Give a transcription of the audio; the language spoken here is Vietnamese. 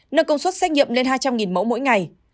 nâng công suất xét nghiệm lên hai trăm linh mẫu mỗi ngày